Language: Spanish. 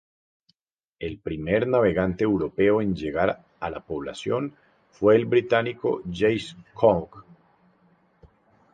El primer navegante europeo en llegar a la población fue el británico James Cook.